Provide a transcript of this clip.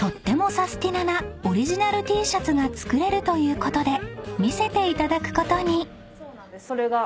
なオリジナルＴシャツが作れるということで見せていただくことに］